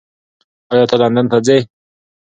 ایا ته لندن ته ځې؟